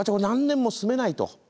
何年も住めないと。